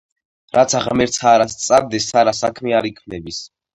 რაცა ღმერთსა არა სწადდეს, არა საქმე არ იქმნების!